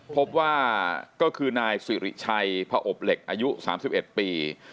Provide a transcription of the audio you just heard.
พบว่าก็คือนายสิริชัยพออบเหล็กอายุ๓๑ปี